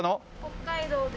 北海道です。